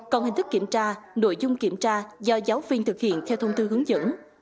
còn hình thức kiểm tra nội dung kiểm tra do giáo viên thực hiện theo thông tư hướng dẫn